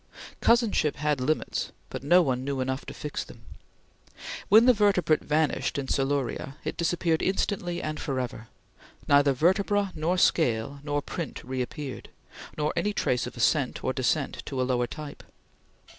Cousinship had limits but no one knew enough to fix them. When the vertebrate vanished in Siluria, it disappeared instantly and forever. Neither vertebra nor scale nor print reappeared, nor any trace of ascent or descent to a lower type.